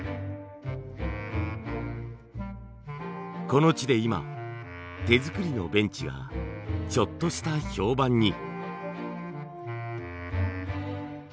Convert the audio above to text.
この地で今手作りのベンチがちょっとした評判に。